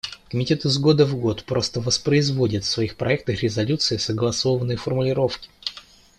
Комитет из года в год просто воспроизводит в своих проектах резолюций согласованные формулировки.